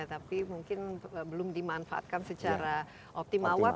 tapi mungkin belum dimanfaatkan secara optimawar